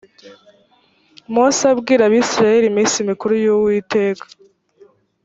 mose abwira abisirayeli iminsi mikuru y uwiteka